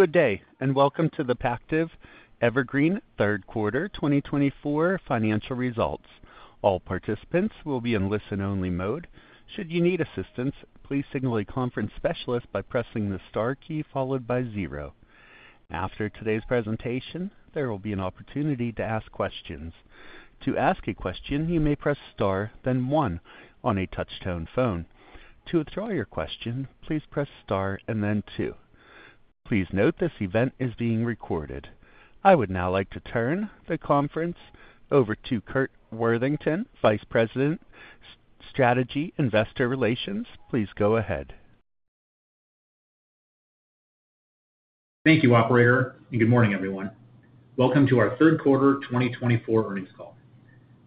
Good day, and welcome to the Pactiv Evergreen Q3 2024 Financial Results. All participants will be in listen-only mode. Should you need assistance, please signal a conference specialist by pressing the star key followed by zero. After today's presentation, there will be an opportunity to ask questions. To ask a question, you may press star, then one on a touch-tone phone. To withdraw your question, please press star and then two. Please note this event is being recorded. I would now like to turn the conference over to Curt Worthington, Vice President, Strategy, Investor Relations. Please go ahead. Thank you, Operator, and good morning, everyone. Welcome to our Q3 2024 earnings call.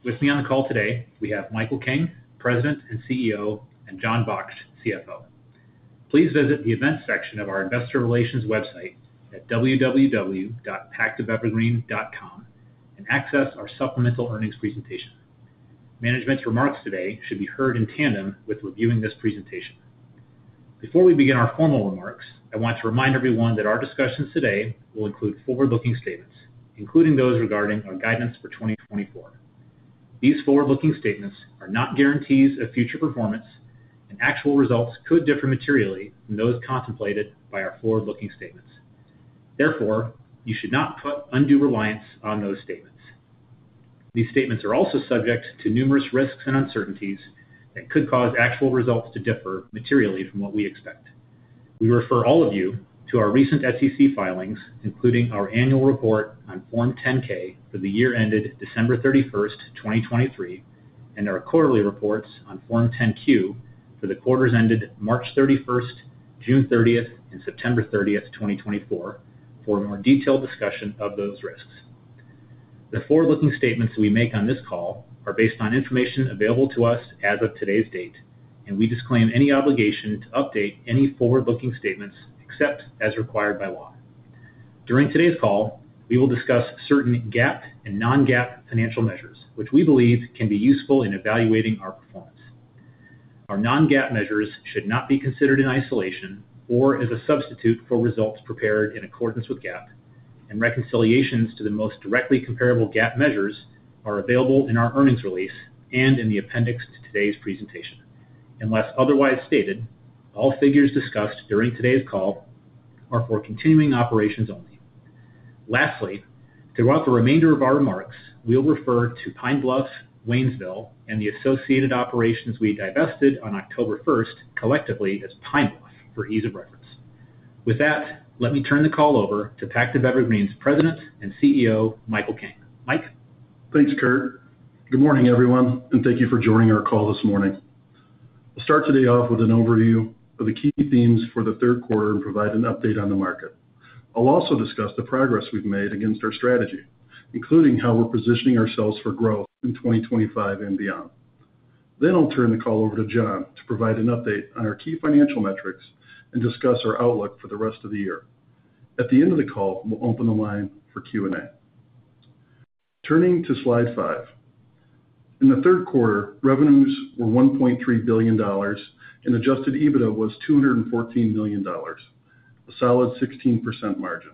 With me on the call today, we have Michael King, President and CEO, and Jon Baksht, CFO. Please visit the events section of our Investor Relations website at www.pactivevergreen.com and access our supplemental earnings presentation. Management's remarks today should be heard in tandem with reviewing this presentation. Before we begin our formal remarks, I want to remind everyone that our discussions today will include forward-looking statements, including those regarding our guidance for 2024. These forward-looking statements are not guarantees of future performance, and actual results could differ materially from those contemplated by our forward-looking statements. Therefore, you should not put undue reliance on those statements. These statements are also subject to numerous risks and uncertainties that could cause actual results to differ materially from what we expect. We refer all of you to our recent SEC filings, including our annual report on Form 10-K for the year ended December 31st, 2023, and our quarterly reports on Form 10-Q for the quarters ended March 31st, June 30th, and September 30th, 2024, for a more detailed discussion of those risks. The forward-looking statements we make on this call are based on information available to us as of today's date, and we disclaim any obligation to update any forward-looking statements except as required by law. During today's call, we will discuss certain GAAP and non-GAAP financial measures, which we believe can be useful in evaluating our performance. Our non-GAAP measures should not be considered in isolation or as a substitute for results prepared in accordance with GAAP, and reconciliations to the most directly comparable GAAP measures are available in our earnings release and in the appendix to today's presentation. Unless otherwise stated, all figures discussed during today's call are for continuing operations only. Lastly, throughout the remainder of our remarks, we'll refer to Pine Bluff, Waynesville, and the associated operations we divested on October 1 collectively as Pine Bluff for ease of reference. With that, let me turn the call over to Pactiv Evergreen's President and CEO, Michael King. Mike. Thanks, Curt. Good morning, everyone, and thank you for joining our call this morning. I'll start today off with an overview of the key themes for the Q3 and provide an update on the market. I'll also discuss the progress we've made against our strategy, including how we're positioning ourselves for growth in 2025 and beyond. Then I'll turn the call over to Jon to provide an update on our key financial metrics and discuss our outlook for the rest of the year. At the end of the call, we'll open the line for Q&A. Turning to slide five, in the Q3, revenues were $1.3 billion, and Adjusted EBITDA was $214 million, a solid 16% margin.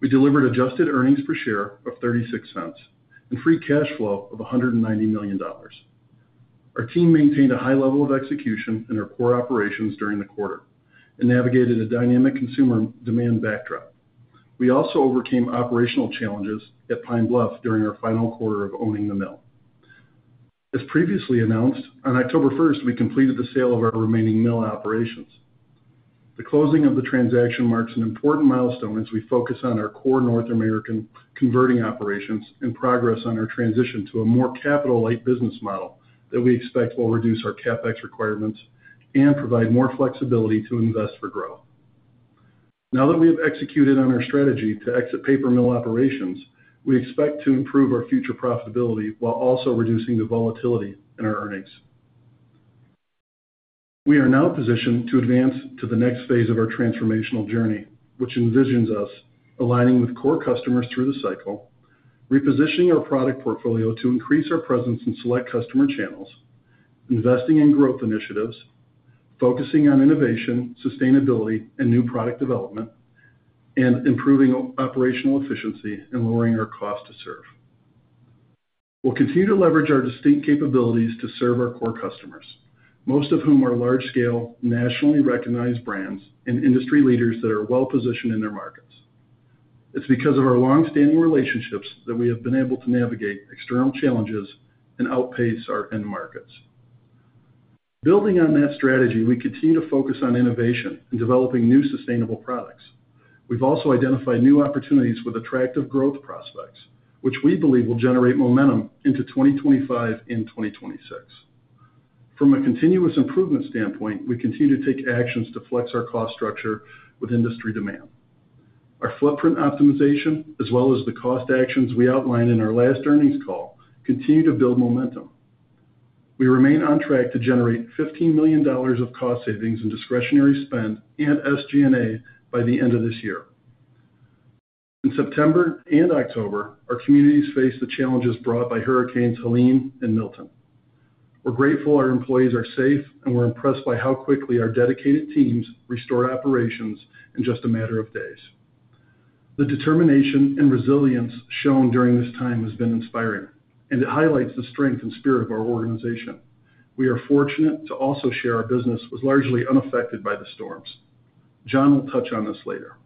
We delivered adjusted earnings per share of $0.36 and free cash flow of $190 million. Our team maintained a high level of execution in our core operations during the quarter and navigated a dynamic consumer demand backdrop. We also overcame operational challenges at Pine Bluff during our final quarter of owning the mill. As previously announced, on October 1st, we completed the sale of our remaining mill operations. The closing of the transaction marks an important milestone as we focus on our core North American converting operations and progress on our transition to a more capital-light business model that we expect will reduce our CapEx requirements and provide more flexibility to invest for growth. Now that we have executed on our strategy to exit paper mill operations, we expect to improve our future profitability while also reducing the volatility in our earnings. We are now positioned to advance to the next phase of our transformational journey, which envisions us aligning with core customers through the cycle, repositioning our product portfolio to increase our presence in select customer channels, investing in growth initiatives, focusing on innovation, sustainability, and new product development, and improving operational efficiency and lowering our cost to serve. We'll continue to leverage our distinct capabilities to serve our core customers, most of whom are large-scale, nationally recognized brands and industry leaders that are well-positioned in their markets. It's because of our long-standing relationships that we have been able to navigate external challenges and outpace our end markets. Building on that strategy, we continue to focus on innovation and developing new sustainable products. We've also identified new opportunities with attractive growth prospects, which we believe will generate momentum into 2025 and 2026. From a continuous improvement standpoint, we continue to take actions to flex our cost structure with industry demand. Our footprint optimization, as well as the cost actions we outlined in our last earnings call, continue to build momentum. We remain on track to generate $15 million of cost savings in discretionary spend and SG&A by the end of this year. In September and October, our communities faced the challenges brought by Hurricanes Helene and Milton. We're grateful our employees are safe, and we're impressed by how quickly our dedicated teams restored operations in just a matter of days. The determination and resilience shown during this time has been inspiring, and it highlights the strength and spirit of our organization. We are fortunate to also share our business was largely unaffected by the storms. Jon will touch on this later.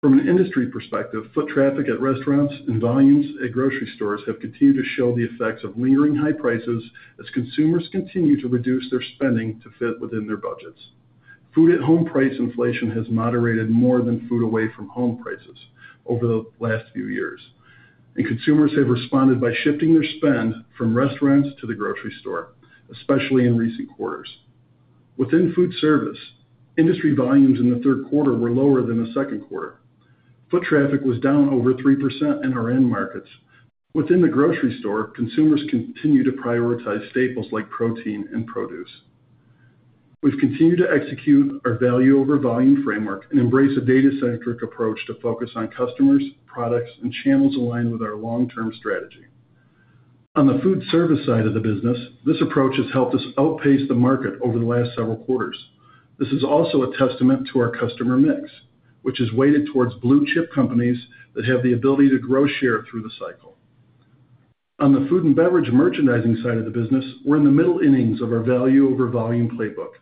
From an industry perspective, foot traffic at restaurants and volumes at grocery stores have continued to show the effects of lingering high prices as consumers continue to reduce their spending to fit within their budgets. Food-at-home price inflation has moderated more than Food away-from-home prices over the last few years, and consumers have responded by shifting their spend from restaurants to the grocery store, especially in recent quarters. Within Food Service, industry volumes in the Q3 were lower than the Q2. Foot traffic was down over 3% in our end markets. Within the grocery store, consumers continue to prioritize staples like protein and produce. We've continued to execute our value-over-volume framework and embrace a data-centric approach to focus on customers, products, and channels aligned with our long-term strategy. On the Food Service side of the business, this approach has helped us outpace the market over the last several quarters. This is also a testament to our customer mix, which is weighted towards blue-chip companies that have the ability to grow share through the cycle. On the Food and Beverage Merchandising side of the business, we're in the middle innings of our value-over-volume playbook,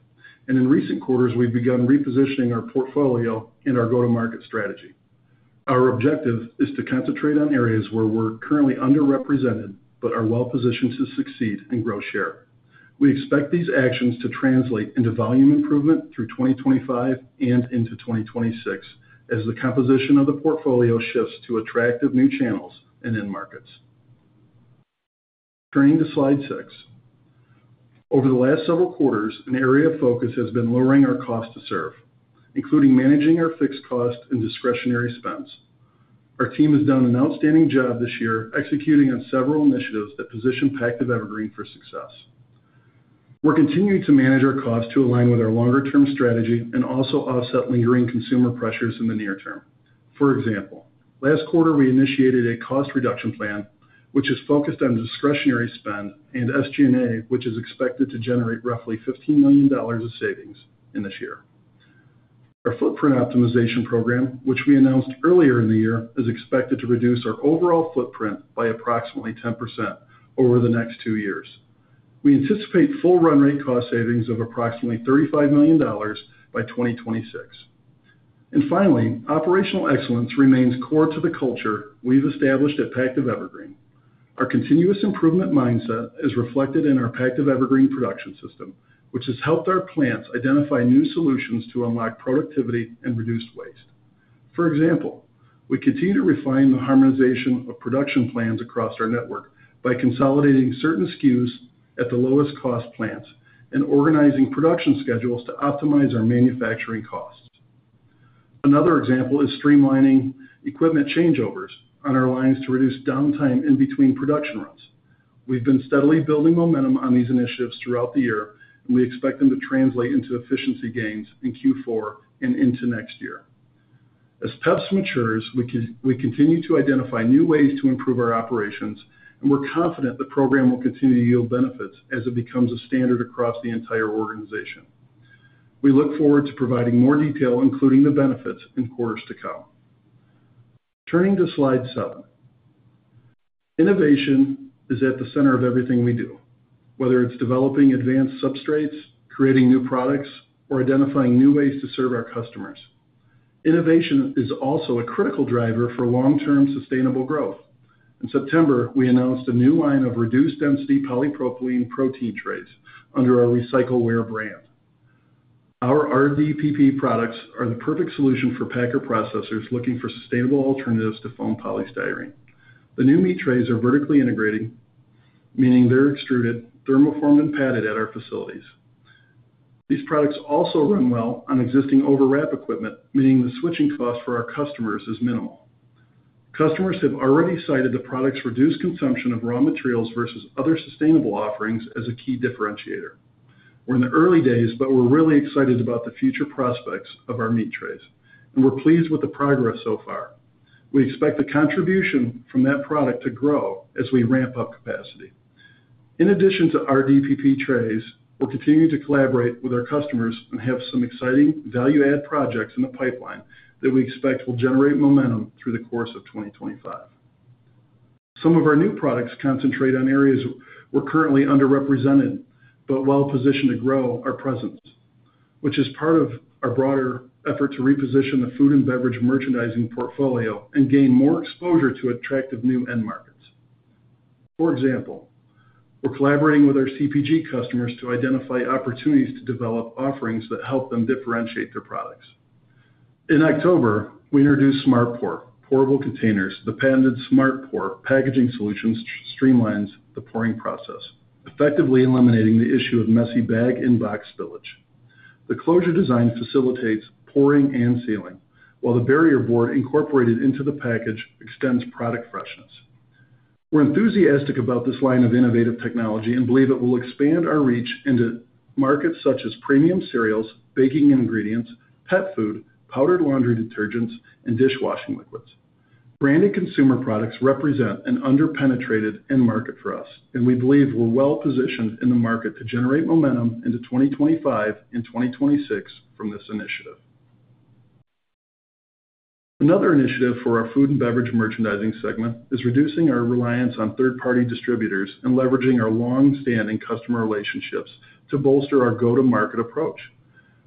and in recent quarters, we've begun repositioning our portfolio and our go-to-market strategy. Our objective is to concentrate on areas where we're currently underrepresented but are well-positioned to succeed and grow share. We expect these actions to translate into volume improvement through 2025 and into 2026 as the composition of the portfolio shifts to attractive new channels and end markets. Turning to slide six, over the last several quarters, an area of focus has been lowering our cost to serve, including managing our fixed cost and discretionary spends. Our team has done an outstanding job this year executing on several initiatives that position Pactiv Evergreen for success. We're continuing to manage our cost to align with our longer-term strategy and also offset lingering consumer pressures in the near term. For example, last quarter, we initiated a cost reduction plan, which is focused on discretionary spend, and SG&A, which is expected to generate roughly $15 million of savings in this year. Our footprint optimization program, which we announced earlier in the year, is expected to reduce our overall footprint by approximately 10% over the next two years. We anticipate full-run rate cost savings of approximately $35 million by 2026. And finally, operational excellence remains core to the culture we've established at Pactiv Evergreen. Our continuous improvement mindset is reflected in our Pactiv Evergreen Production System, which has helped our plants identify new solutions to unlock productivity and reduce waste. For example, we continue to refine the harmonization of production plans across our network by consolidating certain SKUs at the lowest-cost plants and organizing production schedules to optimize our manufacturing costs. Another example is streamlining equipment changeovers on our lines to reduce downtime in between production runs. We've been steadily building momentum on these initiatives throughout the year, and we expect them to translate into efficiency gains in Q4 and into next year. As PEPS matures, we continue to identify new ways to improve our operations, and we're confident the program will continue to yield benefits as it becomes a standard across the entire organization. We look forward to providing more detail, including the benefits, in quarters to come. Turning to slide seven, innovation is at the center of everything we do, whether it's developing advanced substrates, creating new products, or identifying new ways to serve our customers. Innovation is also a critical driver for long-term sustainable growth. In September, we announced a new line of reduced-density polypropylene protein trays under our Recycleware brand. Our RDPP products are the perfect solution for packer processors looking for sustainable alternatives to foam polystyrene. The new meat trays are vertically integrated, meaning they're extruded, thermoformed, and padded at our facilities. These products also run well on existing overwrap equipment, meaning the switching cost for our customers is minimal. Customers have already cited the product's reduced consumption of raw materials versus other sustainable offerings as a key differentiator. We're in the early days, but we're really excited about the future prospects of our meat trays, and we're pleased with the progress so far. We expect the contribution from that product to grow as we ramp up capacity. In addition to RDPP trays, we're continuing to collaborate with our customers and have some exciting value-add projects in the pipeline that we expect will generate momentum through the course of 2025. Some of our new products concentrate on areas we're currently underrepresented but well-positioned to grow our presence, which is part of our broader effort to reposition the Food and Beverage Merchandising portfolio and gain more exposure to attractive new end markets. For example, we're collaborating with our CPG customers to identify opportunities to develop offerings that help them differentiate their products. In October, we introduced SmartPour, pourable containers. The patented SmartPour packaging solution streamlines the pouring process, effectively eliminating the issue of messy bag-in-box spillage. The closure design facilitates pouring and sealing, while the barrier board incorporated into the package extends product freshness. We're enthusiastic about this line of innovative technology and believe it will expand our reach into markets such as premium cereals, baking ingredients, pet food, powdered laundry detergents, and dishwashing liquids. Branded consumer products represent an underpenetrated end market for us, and we believe we're well-positioned in the market to generate momentum into 2025 and 2026 from this initiative. Another initiative for our Food and Beverage Merchandising segment is reducing our reliance on third-party distributors and leveraging our long-standing customer relationships to bolster our go-to-market approach.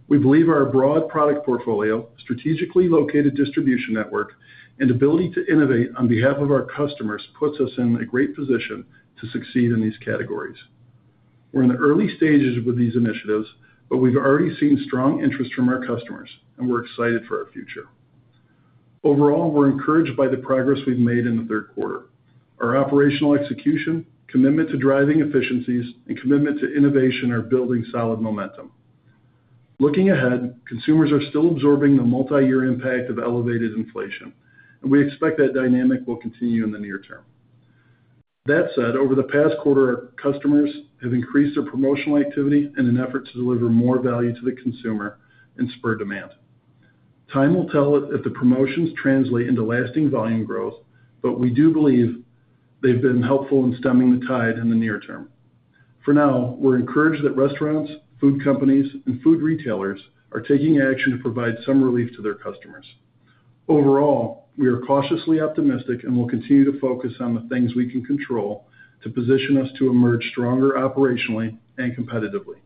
We believe our broad product portfolio, strategically located distribution network, and ability to innovate on behalf of our customers puts us in a great position to succeed in these categories. We're in the early stages with these initiatives, but we've already seen strong interest from our customers, and we're excited for our future. Overall, we're encouraged by the progress we've made in the Q3. Our operational execution, commitment to driving efficiencies, and commitment to innovation are building solid momentum. Looking ahead, consumers are still absorbing the multi-year impact of elevated inflation, and we expect that dynamic will continue in the near term. That said, over the past quarter, our customers have increased their promotional activity in an effort to deliver more value to the consumer and spur demand. Time will tell if the promotions translate into lasting volume growth, but we do believe they've been helpful in stemming the tide in the near term. For now, we're encouraged that restaurants, food companies, and food retailers are taking action to provide some relief to their customers. Overall, we are cautiously optimistic and will continue to focus on the things we can control to position us to emerge stronger operationally and competitively.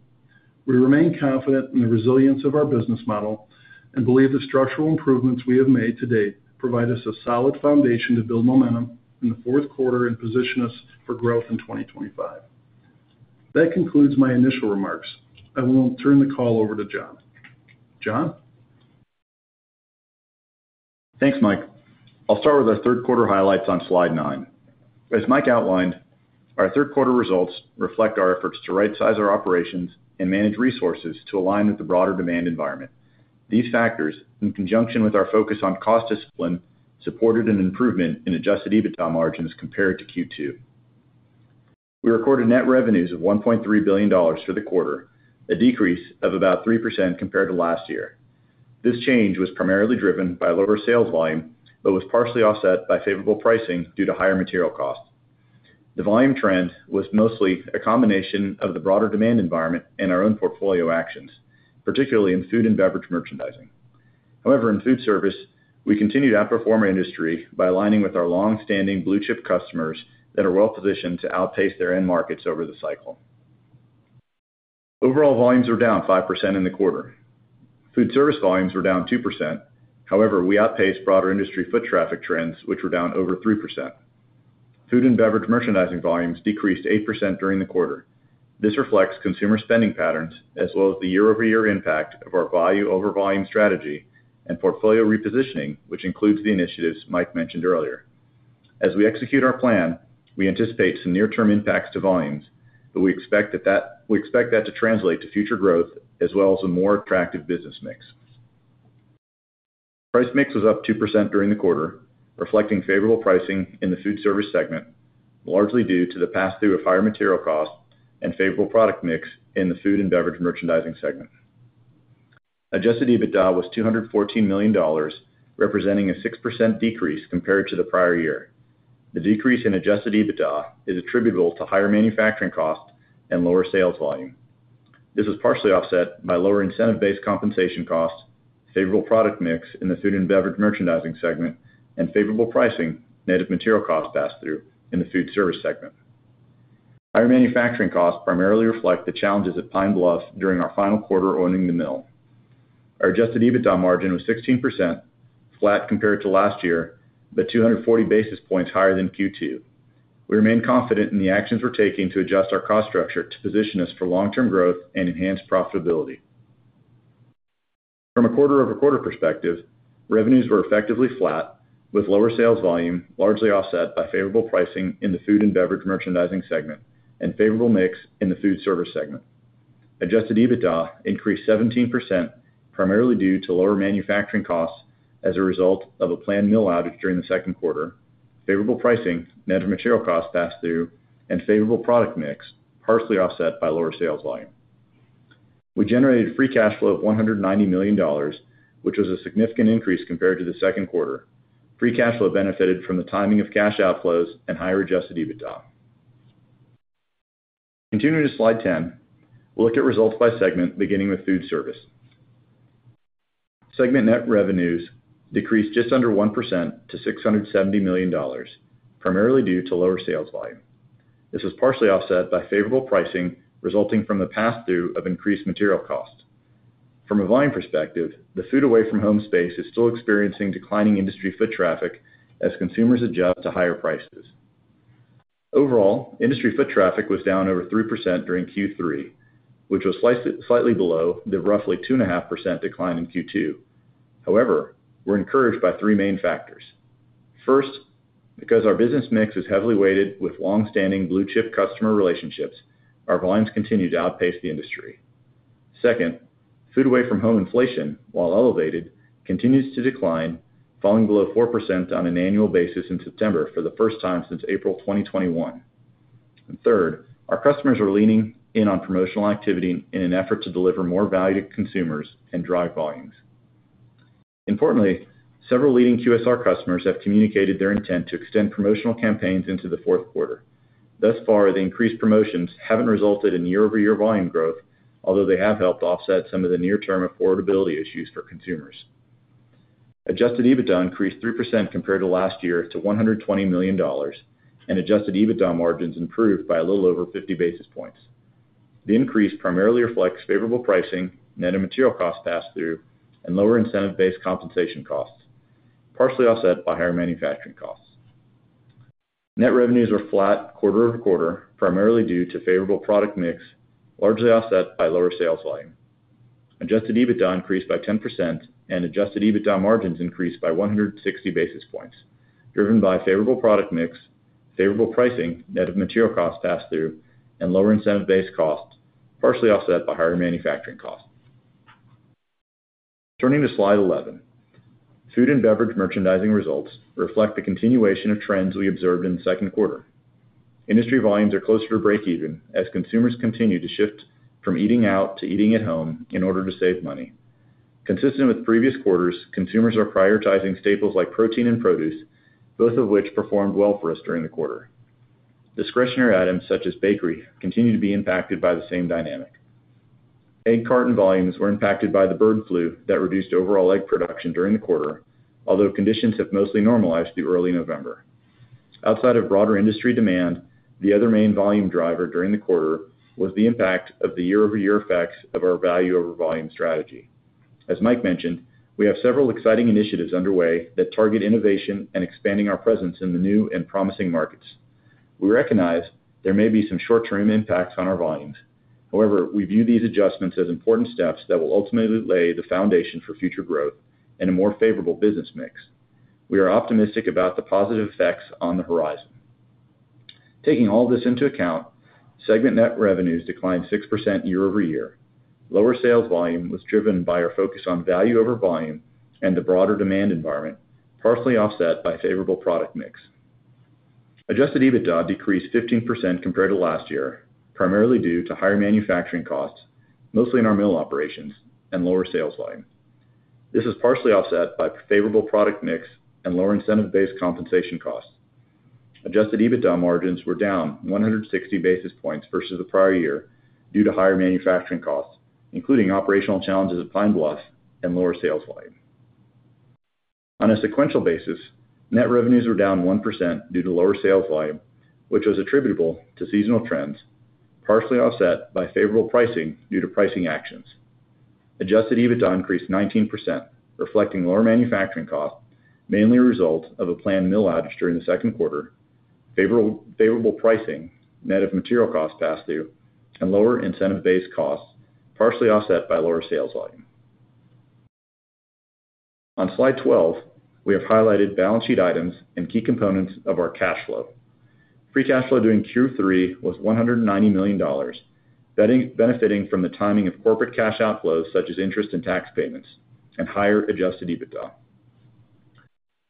We remain confident in the resilience of our business model and believe the structural improvements we have made to date provide us a solid foundation to build momentum in the Q4 and position us for growth in 2025. That concludes my initial remarks. I will now turn the call over to Jon. Jon? Thanks, Mike. I'll start with our Q3 highlights on slide nine. As Mike outlined, our Q3 results reflect our efforts to right-size our operations and manage resources to align with the broader demand environment. These factors, in conjunction with our focus on cost discipline, supported an improvement in adjusted EBITDA margins compared to Q2. We recorded net revenues of $1.3 billion for the quarter, a decrease of about 3% compared to last year. This change was primarily driven by lower sales volume but was partially offset by favorable pricing due to higher material costs. The volume trend was mostly a combination of the broader demand environment and our own portfolio actions, particularly in Food and Beverage Merchandising. However, in Food Service, we continued to outperform our industry by aligning with our long-standing blue-chip customers that are well-positioned to outpace their end markets over the cycle. Overall volumes were down 5% in the quarter. Foodservice volumes were down 2%. However, we outpaced broader industry foot traffic trends, which were down over 3%. Food and beverage merchandising volumes decreased 8% during the quarter. This reflects consumer spending patterns as well as the year-over-year impact of our value-over-volume strategy and portfolio repositioning, which includes the initiatives Mike mentioned earlier. As we execute our plan, we anticipate some near-term impacts to volumes, but we expect that to translate to future growth as well as a more attractive business mix. Price mix was up 2% during the quarter, reflecting favorable pricing in the foodservice segment, largely due to the pass-through of higher material costs and favorable product mix in the Food and Beverage Merchandising segment. Adjusted EBITDA was $214 million, representing a 6% decrease compared to the prior year. The decrease in adjusted EBITDA is attributable to higher manufacturing costs and lower sales volume. This was partially offset by lower incentive-based compensation costs, favorable product mix in the Food and Beverage Merchandising segment, and favorable pricing net material cost pass-through in the Food Service segment. Higher manufacturing costs primarily reflect the challenges at Pine Bluff during our final quarter owning the mill. Our adjusted EBITDA margin was 16%, flat compared to last year, but 240 basis points higher than Q2. We remain confident in the actions we're taking to adjust our cost structure to position us for long-term growth and enhanced profitability. From a quarter-to-quarter perspective, revenues were effectively flat, with lower sales volume largely offset by favorable pricing in the Food and Beverage Merchandising segment and favorable mix in the Food Service segment. Adjusted EBITDA increased 17%, primarily due to lower manufacturing costs as a result of a planned mill outage during the Q2, favorable pricing, net material cost pass-through, and favorable product mix, partially offset by lower sales volume. We generated free cash flow of $190 million, which was a significant increase compared to the Q2. Free cash flow benefited from the timing of cash outflows and higher adjusted EBITDA. Continuing to slide 10, we'll look at results by segment, beginning with Foodservice. Segment net revenues decreased just under 1% to $670 million, primarily due to lower sales volume. This was partially offset by favorable pricing resulting from the pass-through of increased material costs. From a volume perspective, the food away-from-home space is still experiencing declining industry foot traffic as consumers adjust to higher prices. Overall, industry foot traffic was down over 3% during Q3, which was slightly below the roughly 2.5% decline in Q2. However, we're encouraged by three main factors. First, because our business mix is heavily weighted with long-standing blue-chip customer relationships, our volumes continue to outpace the industry. Second, food away-from-home inflation, while elevated, continues to decline, falling below 4% on an annual basis in September for the first time since April 2021. And third, our customers are leaning in on promotional activity in an effort to deliver more value to consumers and drive volumes. Importantly, several leading QSR customers have communicated their intent to extend promotional campaigns into the Q4. Thus far, the increased promotions haven't resulted in year-over-year volume growth, although they have helped offset some of the near-term affordability issues for consumers. Adjusted EBITDA increased 3% compared to last year to $120 million, and adjusted EBITDA margins improved by a little over 50 basis points. The increase primarily reflects favorable pricing, net material cost pass-through, and lower incentive-based compensation costs, partially offset by higher manufacturing costs. Net revenues were flat quarter-to-quarter, primarily due to favorable product mix, largely offset by lower sales volume. Adjusted EBITDA increased by 10%, and adjusted EBITDA margins increased by 160 basis points, driven by favorable product mix, favorable pricing, net material cost pass-through, and lower incentive-based costs, partially offset by higher manufacturing costs. Turning to slide 11, Food and Beverage Merchandising results reflect the continuation of trends we observed in Q2. Industry volumes are closer to break-even as consumers continue to shift from eating out to eating at home in order to save money. Consistent with previous quarters, consumers are prioritizing staples like protein and produce, both of which performed well for us during the quarter. Discretionary items such as bakery continue to be impacted by the same dynamic. Egg carton volumes were impacted by the bird flu that reduced overall egg production during the quarter, although conditions have mostly normalized through early November. Outside of broader industry demand, the other main volume driver during the quarter was the impact of the year-over-year effects of our value-over-volume strategy. As Mike mentioned, we have several exciting initiatives underway that target innovation and expanding our presence in the new and promising markets. We recognize there may be some short-term impacts on our volumes. However, we view these adjustments as important steps that will ultimately lay the foundation for future growth and a more favorable business mix. We are optimistic about the positive effects on the horizon. Taking all this into account, segment net revenues declined 6% year-over-year. Lower sales volume was driven by our focus on value-over-volume and the broader demand environment, partially offset by favorable product mix. Adjusted EBITDA decreased 15% compared to last year, primarily due to higher manufacturing costs, mostly in our mill operations, and lower sales volume. This was partially offset by favorable product mix and lower incentive-based compensation costs. Adjusted EBITDA margins were down 160 basis points versus the prior year due to higher manufacturing costs, including operational challenges at Pine Bluff and lower sales volume. On a sequential basis, net revenues were down 1% due to lower sales volume, which was attributable to seasonal trends, partially offset by favorable pricing due to pricing actions. Adjusted EBITDA increased 19%, reflecting lower manufacturing costs, mainly a result of a planned mill outage during the Q2, favorable pricing, raw material cost pass-through, and lower incentive-based costs, partially offset by lower sales volume. On slide twelve, we have highlighted balance sheet items and key components of our cash flow. Free cash flow during Q3 was $190 million, benefiting from the timing of corporate cash outflows such as interest and tax payments, and higher adjusted EBITDA.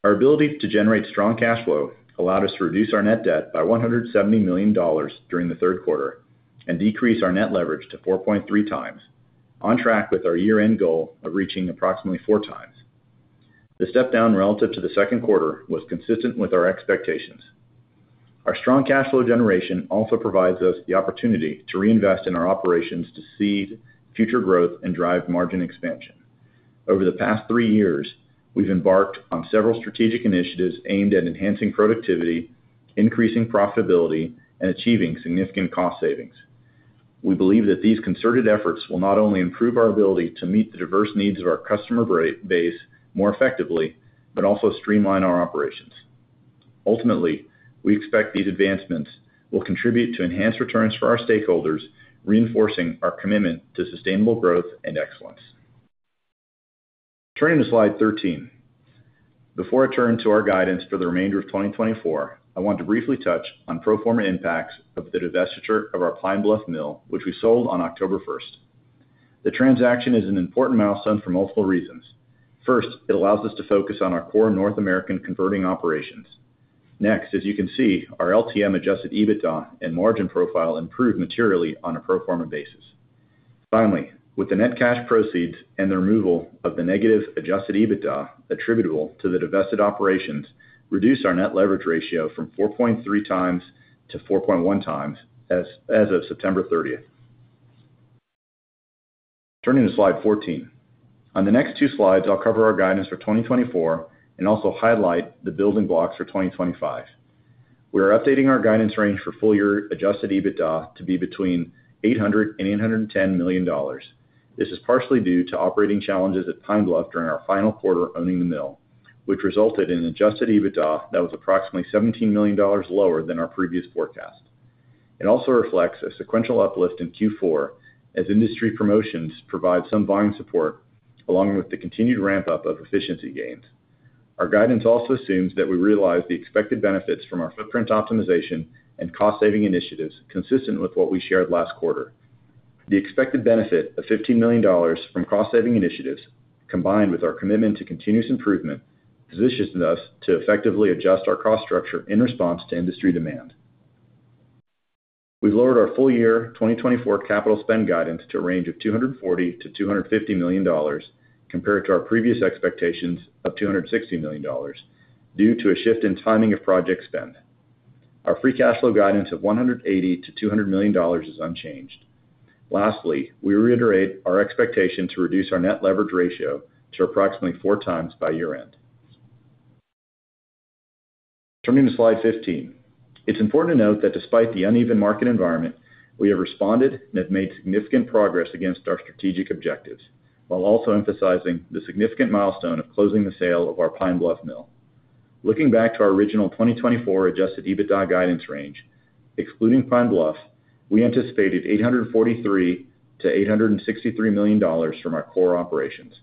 Our ability to generate strong cash flow allowed us to reduce our net debt by $170 million during the Q3 and decrease our net leverage to 4.3x, on track with our year-end goal of reaching approximately 4x. The step down relative to the Q2 was consistent with our expectations. Our strong cash flow generation also provides us the opportunity to reinvest in our operations to seed future growth and drive margin expansion. Over the past three years, we've embarked on several strategic initiatives aimed at enhancing productivity, increasing profitability, and achieving significant cost savings. We believe that these concerted efforts will not only improve our ability to meet the diverse needs of our customer base more effectively but also streamline our operations. Ultimately, we expect these advancements will contribute to enhanced returns for our stakeholders, reinforcing our commitment to sustainable growth and excellence. Turning to slide 13, before I turn to our guidance for the remainder of 2024, I want to briefly touch on pro forma impacts of the divestiture of our Pine Bluff mill, which we sold on October 1st. The transaction is an important milestone for multiple reasons. First, it allows us to focus on our core North America converting operations. Next, as you can see, our LTM adjusted EBITDA and margin profile improved materially on a pro forma basis. Finally, with the net cash proceeds and the removal of the negative adjusted EBITDA attributable to the divested operations, we reduced our net leverage ratio from 4.3x to 4.1x as of September 30th. Turning to slide fourteen, on the next two slides, I'll cover our guidance for 2024 and also highlight the building blocks for 2025. We are updating our guidance range for full-year adjusted EBITDA to be $800 to $810 million. This is partially due to operating challenges at Pine Bluff during our final quarter owning the mill, which resulted in adjusted EBITDA that was approximately $17 million lower than our previous forecast. It also reflects a sequential uplift in Q4 as industry promotions provide some volume support, along with the continued ramp-up of efficiency gains. Our guidance also assumes that we realize the expected benefits from our footprint optimization and cost-saving initiatives consistent with what we shared last quarter. The expected benefit of $15 million from cost-saving initiatives, combined with our commitment to continuous improvement, positions us to effectively adjust our cost structure in response to industry demand. We've lowered our full-year 2024 capital spend guidance to a range of $240 to $250 million compared to our previous expectations of $260 million, due to a shift in timing of project spend. Our free cash flow guidance of $180 to $200 million is unchanged. Lastly, we reiterate our expectation to reduce our net leverage ratio to approximately 4x by year-end. Turning to slide 15, it's important to note that despite the uneven market environment, we have responded and have made significant progress against our strategic objectives, while also emphasizing the significant milestone of closing the sale of our Pine Bluff mill. Looking back to our original 2024 Adjusted EBITDA guidance range, excluding Pine Bluff, we anticipated $843 to $863 million from our core operations.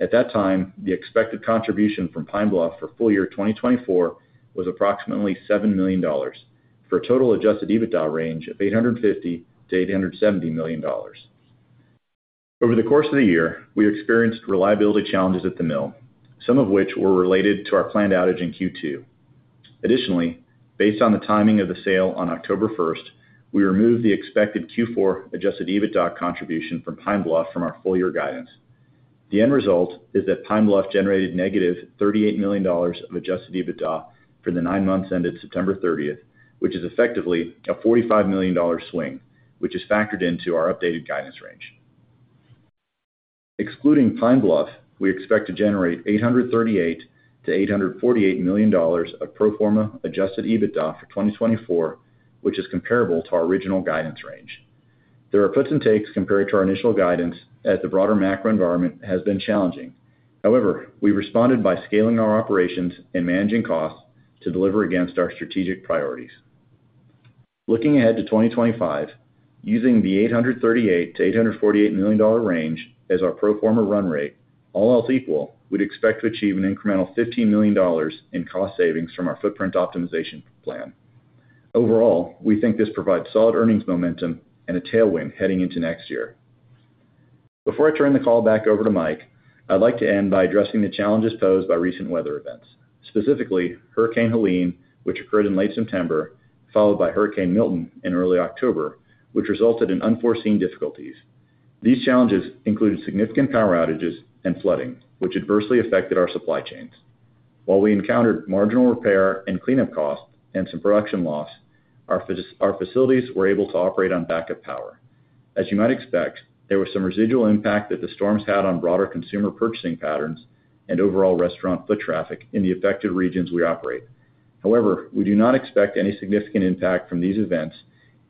At that time, the expected contribution from Pine Bluff for full-year 2024 was approximately $7 million, for a total Adjusted EBITDA range of $850 to $870 million. Over the course of the year, we experienced reliability challenges at the mill, some of which were related to our planned outage in Q2. Additionally, based on the timing of the sale on October 1st, we removed the expected Q4 Adjusted EBITDA contribution from Pine Bluff from our full-year guidance. The end result is that Pine Bluff generated -$38 million of adjusted EBITDA for the nine months ended September 30th, which is effectively a $45 million swing, which is factored into our updated guidance range. Excluding Pine Bluff, we expect to generate $838 to $848 million of pro forma adjusted EBITDA for 2024, which is comparable to our original guidance range. There are puts and takes compared to our initial guidance as the broader macro environment has been challenging. However, we responded by scaling our operations and managing costs to deliver against our strategic priorities. Looking ahead to 2025, using the $838 to $848 million range as our pro forma run rate, all else equal, we'd expect to achieve an incremental $15 million in cost savings from our footprint optimization plan. Overall, we think this provides solid earnings momentum and a tailwind heading into next year. Before I turn the call back over to Mike, I'd like to end by addressing the challenges posed by recent weather events, specifically Hurricane Helene, which occurred in late September, followed by Hurricane Milton in early October, which resulted in unforeseen difficulties. These challenges included significant power outages and flooding, which adversely affected our supply chains. While we encountered marginal repair and cleanup costs and some production loss, our facilities were able to operate on backup power. As you might expect, there was some residual impact that the storms had on broader consumer purchasing patterns and overall restaurant foot traffic in the affected regions we operate. However, we do not expect any significant impact from these events,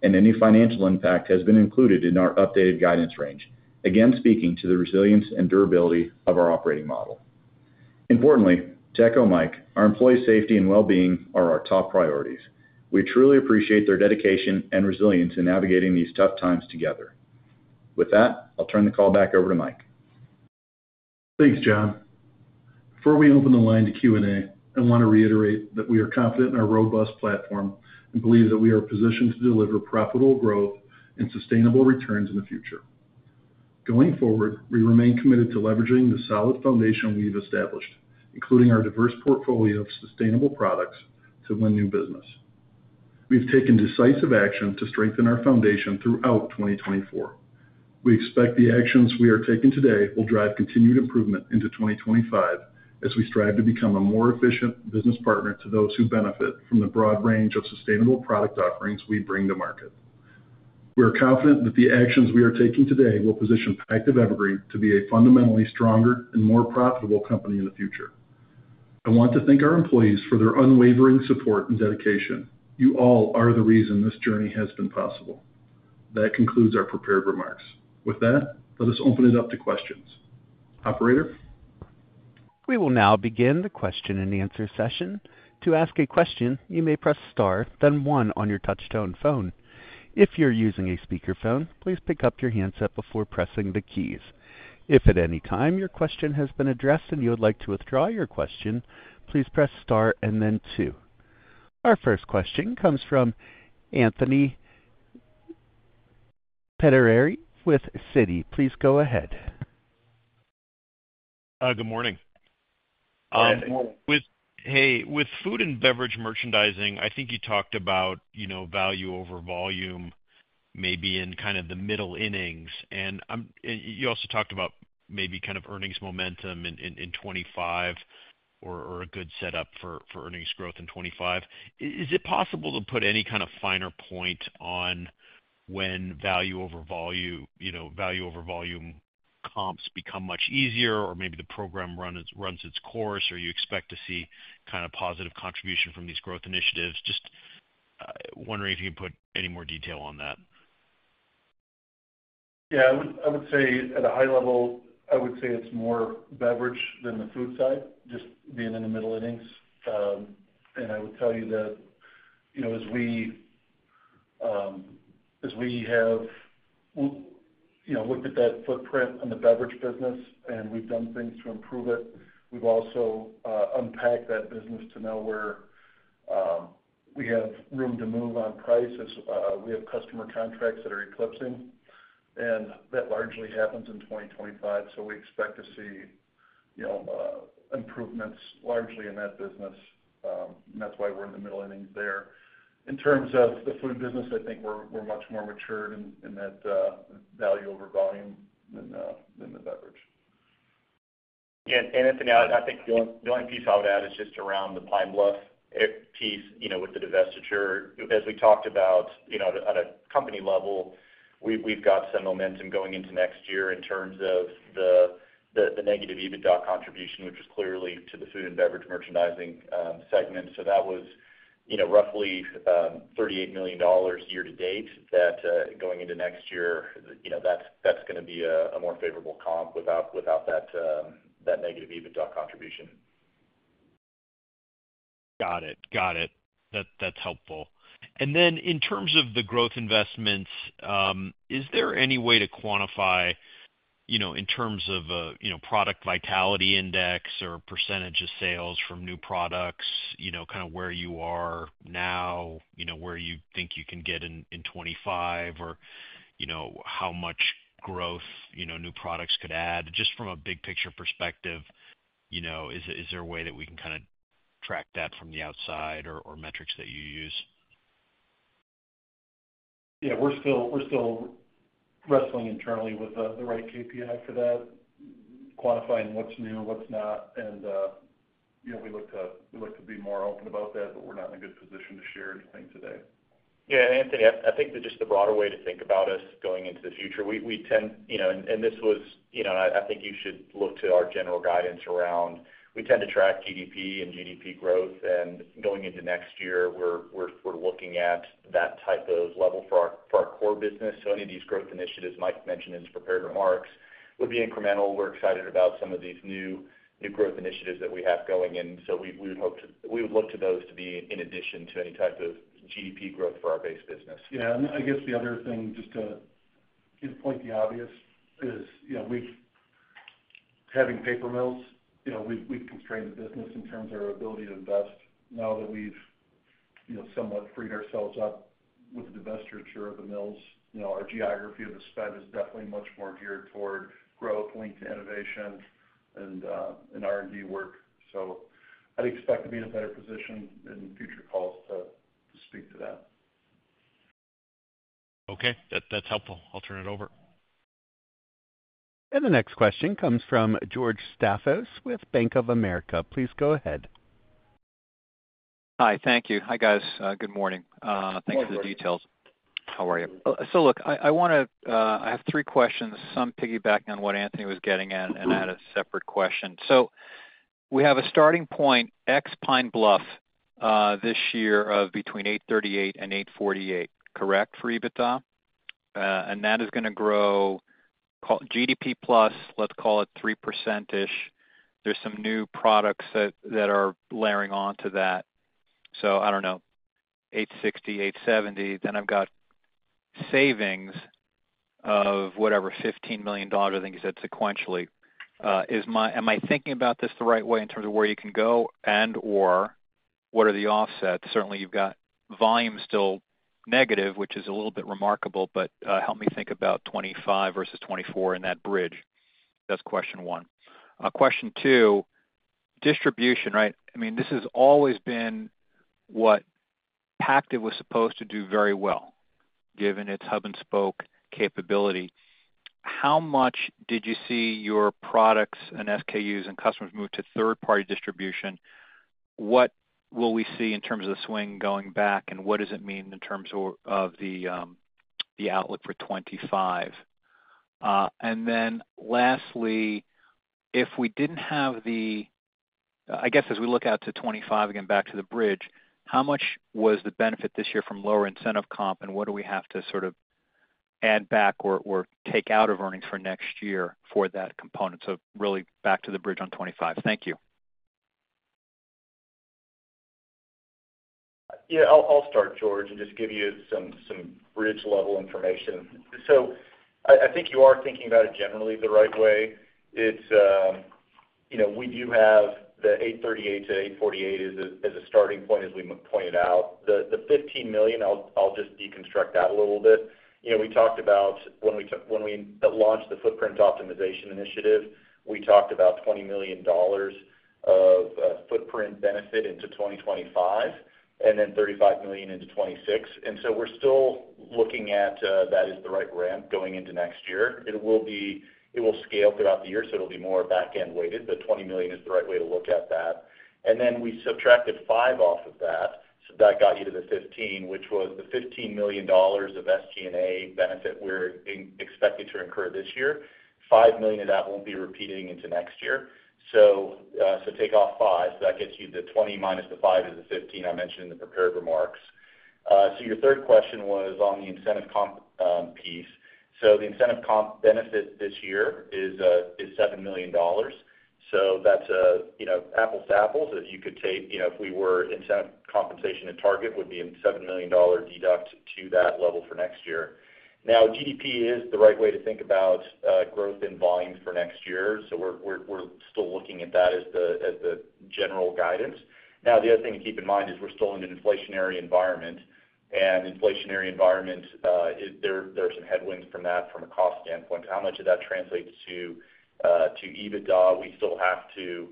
and any financial impact has been included in our updated guidance range, again speaking to the resilience and durability of our operating model. Importantly, to echo Mike, our employee safety and well-being are our top priorities. We truly appreciate their dedication and resilience in navigating these tough times together. With that, I'll turn the call back over to Mike. Thanks, Jon. Before we open the line to Q&A, I want to reiterate that we are confident in our robust platform and believe that we are positioned to deliver profitable growth and sustainable returns in the future. Going forward, we remain committed to leveraging the solid foundation we've established, including our diverse portfolio of sustainable products, to win new business. We've taken decisive action to strengthen our foundation throughout 2024. We expect the actions we are taking today will drive continued improvement into 2025 as we strive to become a more efficient business partner to those who benefit from the broad range of sustainable product offerings we bring to market. We are confident that the actions we are taking today will position Pactiv Evergreen to be a fundamentally stronger and more profitable company in the future. I want to thank our employees for their unwavering support and dedication. You all are the reason this journey has been possible. That concludes our prepared remarks. With that, let us open it up to questions. Operator. We will now begin the question-and-answer session. To ask a question, you may press star, then one on your touch-tone phone. If you're using a speakerphone, please pick up your handset before pressing the keys. If at any time your question has been addressed and you would like to withdraw your question, please press star and then two. Our first question comes from Anthony Pettinari with Citi. Please go ahead. Good morning. Hey, with Food and Beverage Merchandising, I think you talked about Value over Volume maybe in kind of the middle innings. And you also talked about maybe kind of earnings momentum in 2025 or a good setup for earnings growth in 2025. Is it possible to put any kind of finer point on when Value over Volume comps become much easier, or maybe the program runs its course, or you expect to see kind of positive contribution from these growth initiatives? Just wondering if you can put any more detail on that. Yeah, I would say at a high level, I would say it's more beverage than the food side, just being in the middle innings. And I would tell you that as we have looked at that footprint on the beverage business and we've done things to improve it, we've also unpacked that business to now where we have room to move on prices. We have customer contracts that are expiring, and that largely happens in 2025. So we expect to see improvements largely in that business. And that's why we're in the middle innings there. In terms of the food business, I think we're much more matured in that Value over Volume than the beverage. Yeah, and Anthony, I think the only piece I would add is just around the Pine Bluff piece with the divestiture. As we talked about at a company level, we've got some momentum going into next year in terms of the negative EBITDA contribution, which was clearly to the Food and Beverage Merchandising segment. So that was roughly $38 million year-to-date that going into next year, that's going to be a more favorable comp without that negative EBITDA contribution. Got it. Got it. That's helpful. And then in terms of the growth investments, is there any way to quantify in terms of a product vitality index or percentage of sales from new products, kind of where you are now, where you think you can get in 2025, or how much growth new products could add? Just from a big-picture perspective, is there a way that we can kind of track that from the outside or metrics that you use? Yeah, we're still wrestling internally with the right KPI for that, quantifying what's new, what's not. And we look to be more open about that, but we're not in a good position to share anything today. Yeah, Anthony, I think that just the broader way to think about us going into the future, we tend, and this was. I think you should look to our general guidance around. We tend to track GDP and GDP growth, and going into next year, we're looking at that type of level for our core business, so any of these growth initiatives Mike mentioned in his prepared remarks would be incremental. We're excited about some of these new growth initiatives that we have going in, so we would hope to, we would look to those to be in addition to any type of GDP growth for our base business. Yeah, and I guess the other thing, just to point out the obvious, is having paper mills, we've constrained the business in terms of our ability to invest. Now that we've somewhat freed ourselves up with the divestiture of the mills, our geography of the spend is definitely much more geared toward growth, linked to innovation and R&D work. So I'd expect to be in a better position in future calls to speak to that. Okay, that's helpful. I'll turn it over. The next question comes from George Staphos with Bank of America. Please go ahead. Hi, thank you. Hi guys, good morning. Thanks for the details. How are you? So look, I have three questions, some piggybacking on what Anthony was getting at, and I had a separate question. We have a starting point, ex-Pine Bluff, this year of between $838 and $848, correct, for EBITDA? That is going to grow GDP+, let's call it 3%-ish. There's some new products that are layering onto that. So I don't know, $860, $870. Then I've got savings of whatever, $15 million, I think you said sequentially. Am I thinking about this the right way in terms of where you can go and/or what are the offsets? Certainly, you've got volume still negative, which is a little bit remarkable, but help me think about 2025 versus 2024 in that bridge. That's question one. Question two, distribution, right? I mean, this has always been what Pactiv was supposed to do very well, given its hub-and-spoke capability. How much did you see your products and SKUs and customers move to third-party distribution? What will we see in terms of the swing going back, and what does it mean in terms of the outlook for 2025? And then lastly, if we didn't have the, I guess as we look out to 2025, again, back to the bridge, how much was the benefit this year from lower incentive comp, and what do we have to sort of add back or take out of earnings for next year for that component? So really back to the bridge on 2025. Thank you. Yeah, I'll start, George, and just give you some bridge-level information. So I think you are thinking about it generally the right way. We do have the $838 to $848 as a starting point, as we pointed out. The $15 million, I'll just deconstruct that a little bit. We talked about when we launched the footprint optimization initiative, we talked about $20 million of footprint benefit into 2025, and then $35 million into 2026. And so we're still looking at that as the right ramp going into next year. It will scale throughout the year, so it'll be more back-end weighted. But $20 million is the right way to look at that. And then we subtracted five off of that, so that got you to the $15, which was the $15 million of SG&A benefit we're expected to incur this year. $5 million of that won't be repeating into next year. So take off five. So that gets you the $20 minus the five is the $15 I mentioned in the prepared remarks. So your third question was on the incentive comp piece. So the incentive comp benefit this year is $7 million. So that's apples to apples. If you could take—if we were incentive compensation at target, it would be a $7 million deduct to that level for next year. Now, GDP is the right way to think about growth in volume for next year. So we're still looking at that as the general guidance. Now, the other thing to keep in mind is we're still in an inflationary environment. There are some headwinds from that from a cost standpoint. How much of that translates to EBITDA? We still have to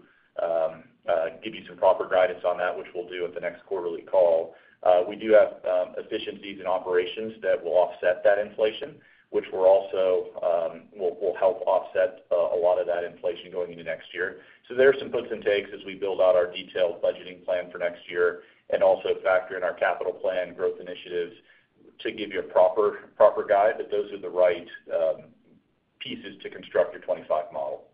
give you some proper guidance on that, which we'll do at the next quarterly call. We do have efficiencies in operations that will offset that inflation, which will help offset a lot of that inflation going into next year. So there are some puts and takes as we build out our detailed budgeting plan for next year and also factor in our capital plan growth initiatives to give you a proper guide. But those are the right pieces to construct your 2025 model.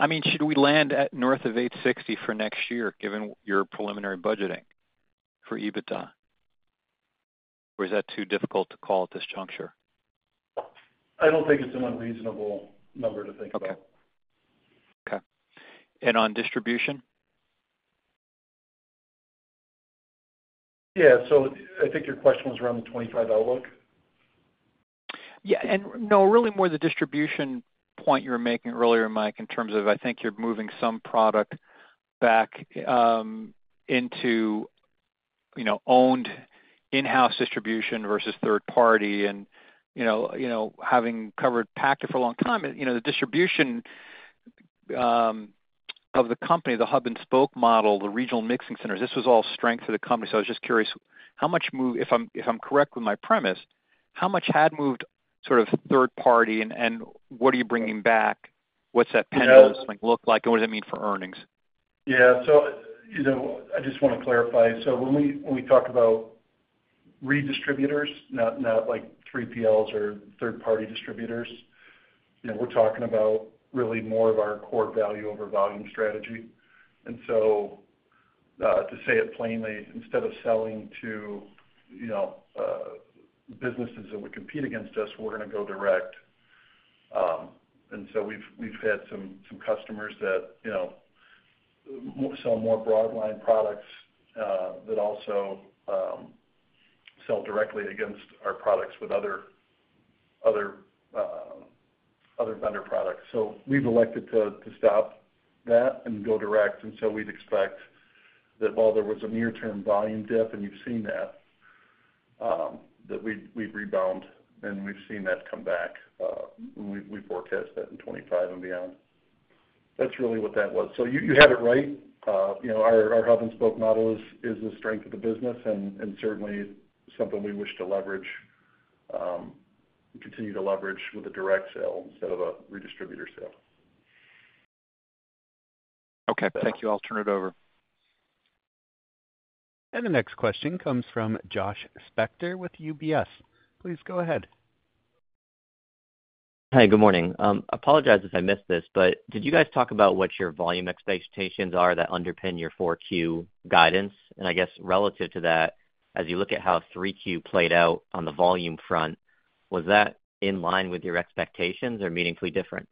I mean, should we land at north of $860 for next year, given your preliminary budgeting for EBITDA? Or is that too difficult to call at this juncture? I don't think it's a reasonable number to think about. Okay. Okay. And on distribution? Yeah. So I think your question was around the 2025 outlook? Yeah. And no, really more the distribution point you were making earlier, Mike, in terms of I think you're moving some product back into owned in-house distribution versus third party and having covered Pactiv for a long time. The distribution of the company, the hub-and-spoke model, the regional mixing centers, this was all strength of the company. So I was just curious, if I'm correct with my premise, how much had moved sort of third party and what are you bringing back? What's that penultimate look like and what does it mean for earnings? Yeah. So I just want to clarify. So when we talk about redistributors, not like 3PLs or third party distributors, we're talking about really more of our core Value over Volume strategy. And so to say it plainly, instead of selling to businesses that would compete against us, we're going to go direct. And so we've had some customers that sell more broadline products that also sell directly against our products with other vendor products. So we've elected to stop that and go direct. And so we'd expect that while there was a near-term volume dip, and you've seen that, that we've rebounded and we've seen that come back. We forecast that in 2025 and beyond. That's really what that was. So you have it right. Our hub-and-spoke model is the strength of the business and certainly something we wish to leverage and continue to leverage with a direct sale instead of a redistributor sale. Okay. Thank you. I'll turn it over. And the next question comes from Josh Spector with UBS. Please go ahead. Hi, good morning. Apologize if I missed this, but did you guys talk about what your volume expectations are that underpin your 4Q guidance? And I guess relative to that, as you look at how 3Q played out on the volume front, was that in line with your expectations or meaningfully different?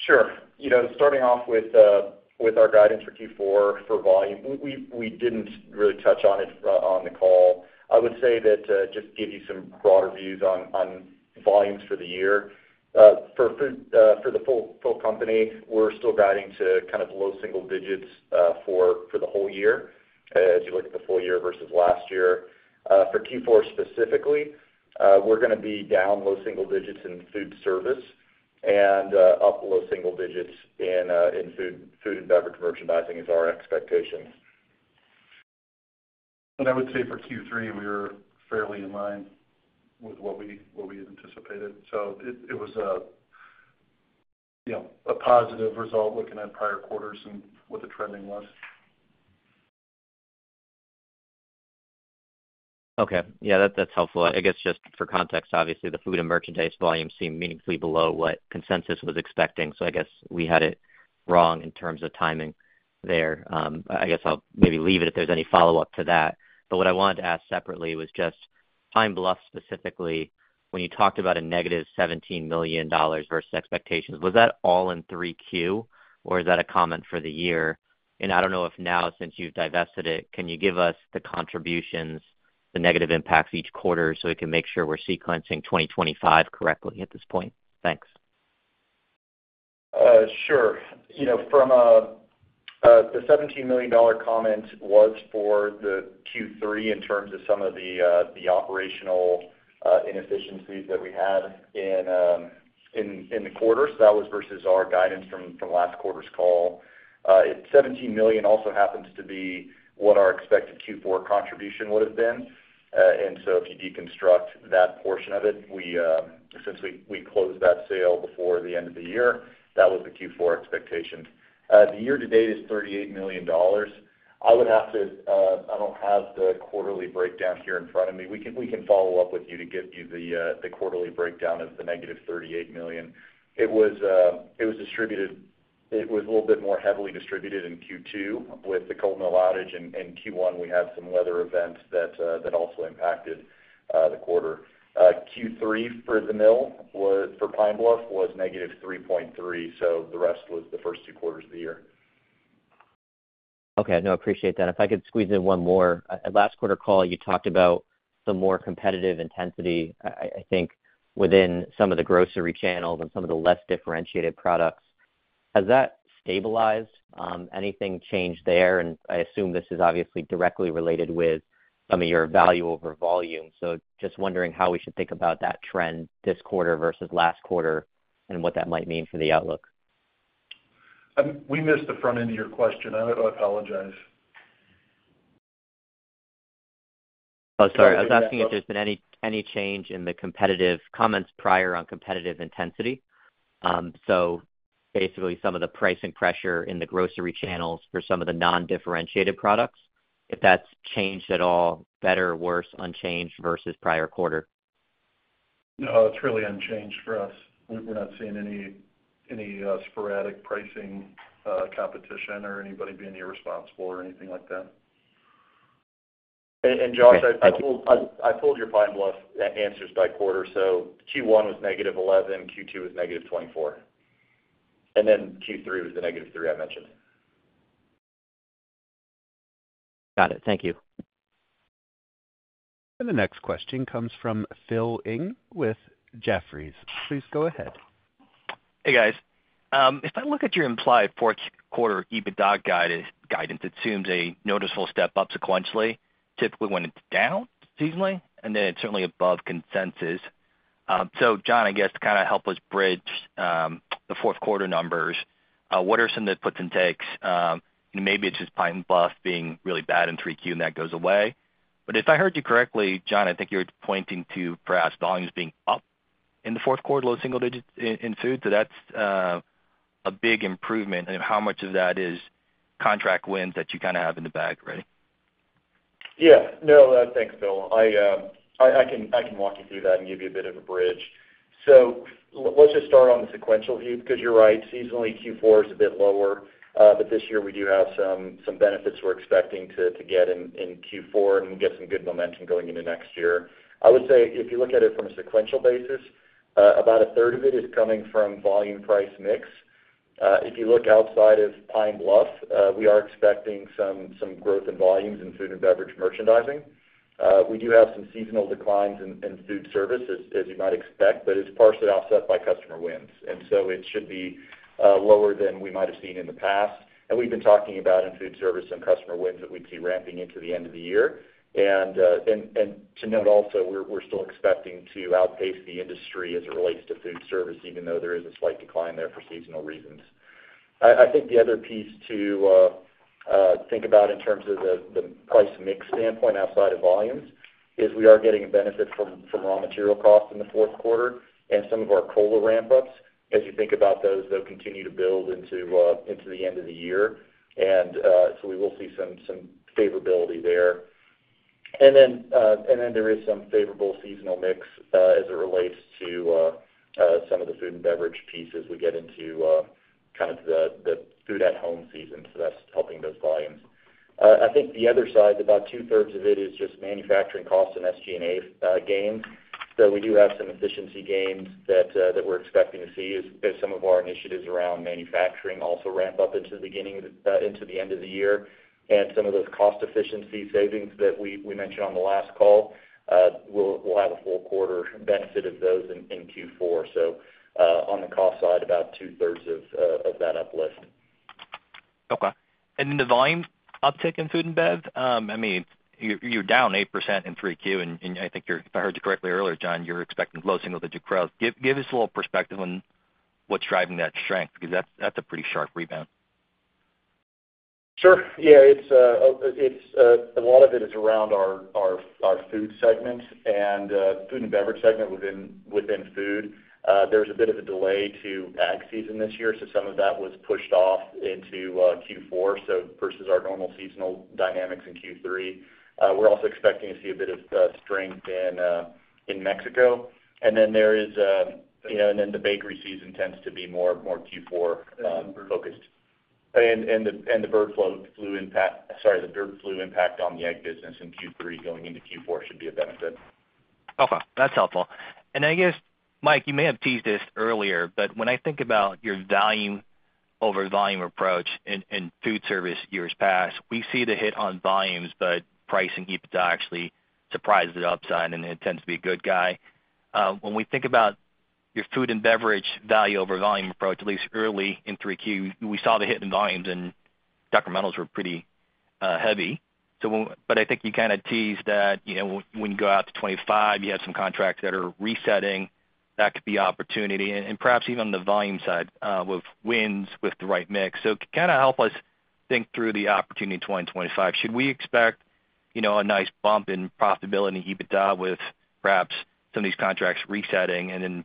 Sure. Starting off with our guidance for Q4 for volume, we didn't really touch on it on the call. I would say that just to give you some broader views on volumes for the year. For the full company, we're still guiding to kind of low single digits for the whole year as you look at the full year versus last year. For Q4 specifically, we're going to be down low single digits in Food Service and up low single digits in Food and Beverage Merchandising is our expectation. And I would say for Q3, we were fairly in line with what we anticipated. So it was a positive result looking at prior quarters and what the trending was. Okay. Yeah, that's helpful. I guess just for context, obviously, the food and merchandise volume seemed meaningfully below what consensus was expecting. So I guess we had it wrong in terms of timing there. I guess I'll maybe leave it if there's any follow-up to that. But what I wanted to ask separately was just Pine Bluff specifically, when you talked about a -$17 million versus expectations, was that all in 3Q or is that a comment for the year? And I don't know if now, since you've divested it, can you give us the contributions, the negative impacts each quarter so we can make sure we're sequencing 2025 correctly at this point? Thanks. Sure. The $17 million comment was for the Q3 in terms of some of the operational inefficiencies that we had in the quarter. So that was versus our guidance from last quarter's call. $17 million also happens to be what our expected Q4 contribution would have been. And so if you deconstruct that portion of it, since we closed that sale before the end of the year, that was the Q4 expectation. The year-to-date is $38 million. I would have to. I don't have the quarterly breakdown here in front of me. We can follow up with you to get you the quarterly breakdown of the -$38 million. It was distributed. It was a little bit more heavily distributed in Q2 with the mill outage. In Q1, we had some weather events that also impacted the quarter. Q3 for the mill for Pine Bluff was -$3.3 million. So the rest was the first two quarters of the year. Okay. No, I appreciate that. If I could squeeze in one more. At last quarter's call, you talked about some more competitive intensity, I think, within some of the grocery channels and some of the less differentiated products. Has that stabilized? Anything changed there? And I assume this is obviously directly related with some of your Value over Volume. So just wondering how we should think about that trend this quarter versus last quarter and what that might mean for the outlook. We missed the front end of your question. I apologize. Oh, sorry. I was asking if there's been any change in the competitive comments prior on competitive intensity. So basically, some of the pricing pressure in the grocery channels for some of the non-differentiated products, if that's changed at all, better, worse, unchanged versus prior quarter. No, it's really unchanged for us. We're not seeing any sporadic pricing competition or anybody being irresponsible or anything like that. And Josh, I pulled your Pine Bluff answers by quarter. So Q1 was -$11, Q2 was -$24. And then Q3 was the -$3 I mentioned. Got it. Thank you. And the next question comes from Phil Ng with Jefferies. Please go ahead. Hey, guys. If I look at your implied Q4 EBITDA guidance, it seems a noticeable step up sequentially. Typically when it's down seasonally, and then it's certainly above consensus. So Jon, I guess to kind of help us bridge the Q4 numbers, what are some of the puts and takes? Maybe it's just Pine Bluff being really bad in 3Q and that goes away. But if I heard you correctly, Jon, I think you're pointing to perhaps volumes being up in the Q4, low single digits in food. So that's a big improvement. And how much of that is contract wins that you kind of have in the bag already? Yeah. No, thanks, Phil. I can walk you through that and give you a bit of a bridge. So let's just start on the sequential view because you're right. Seasonally, Q4 is a bit lower. But this year, we do have some benefits we're expecting to get in Q4, and we'll get some good momentum going into next year. I would say if you look at it from a sequential basis, about a 1/3 of it is coming from volume price mix. If you look outside of Pine Bluff, we are expecting some growth in volumes in Food and Beverage Merchandising. We do have some seasonal declines in Food Service, as you might expect, but it's partially offset by customer wins. And so it should be lower than we might have seen in the past. And we've been talking about in Food Service some customer wins that we'd see ramping into the end of the year. And to note also, we're still expecting to outpace the industry as it relates to Food Service, even though there is a slight decline there for seasonal reasons. I think the other piece to think about in terms of the price mix standpoint outside of volumes is we are getting a benefit from raw material costs in the Q4 and some of our cola ramp-ups. As you think about those, they'll continue to build into the end of the year. And so we will see some favorability there. And then there is some favorable seasonal mix as it relates to some of the Food and Beverage pieces. We get into kind of the food-at-home season, so that's helping those volumes. I think the other side, about 2/3 of it, is just manufacturing costs and SG&A gains. So we do have some efficiency gains that we're expecting to see as some of our initiatives around manufacturing also ramp up into the beginning into the end of the year. Some of those cost efficiency savings that we mentioned on the last call, we'll have a full quarter benefit of those in Q4. On the cost side, about 2/3 of that uplift. Okay. The volume uptick in Food and Bev, I mean, you're down 8% in 3Q. I think if I heard you correctly earlier, Jon, you were expecting low single-digit growth. Give us a little perspective on what's driving that strength because that's a pretty sharp rebound. Sure. Yeah. A lot of it is around our food segment and Food and Beverage segment within food. There was a bit of a delay to ag season this year. Some of that was pushed off into Q4 versus our normal seasonal dynamics in Q3. We're also expecting to see a bit of strength in Mexico. The bakery season tends to be more Q4-focused. The bird flu impact on the egg business in Q3 going into Q4 should be a benefit. Okay. That's helpful. I guess, Mike, you may have teased this earlier, but when I think about your Value over Volume approach in Food Service years past, we've seen a hit on volumes, but pricing EBITDA actually surprises the upside, and it tends to be a good guy. When we think about your Food and Beverage Value over Volume approach, at least early in Q3, we saw the hit in volumes, and decrementals were pretty heavy. I think you kind of teased that when you go out to 2025, you have some contracts that are resetting. That could be opportunity. Perhaps even on the volume side with wins with the right mix. So, kind of, help us think through the opportunity in 2025. Should we expect a nice bump in profitability in EBITDA with perhaps some of these contracts resetting and then